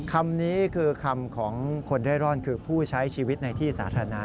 คำนี้คือคำของคนเร่ร่อนคือผู้ใช้ชีวิตในที่สาธารณะ